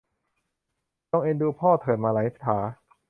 จงเอ็นดูพ่อเถิดมะไหลถา